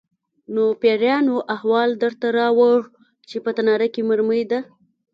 _نو پېريانو احوال درته راووړ چې په تناره کې مرمۍ ده؟